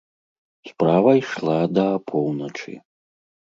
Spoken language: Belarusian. Справа ішла да апоўначы.